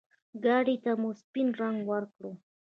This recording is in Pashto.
ګاډي ته مو سپين رنګ ورکړ.